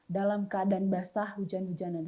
dalam keadaan basah hujan hujanan